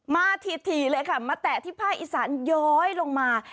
ถี่เลยค่ะมาแตะที่ภาคอีสานย้อยลงมา